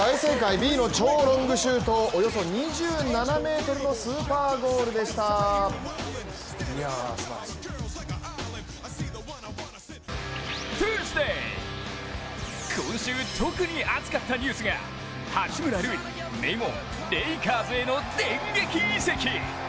Ｂの超ロングシュート、およそ２７ｍのスーパーゴールでした今週、特に熱かったニュースが八村塁、名門レイカーズへの電撃移籍。